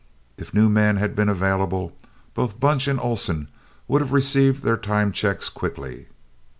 If new men had been available, both Bunch and Oleson would have received their time checks quickly.